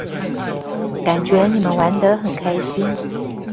感覺你們玩得很開心